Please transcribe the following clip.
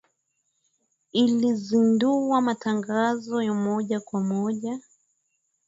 Ilizindua matangazo ya moja kwa moja